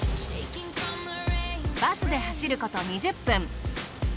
バスで走ること２０分。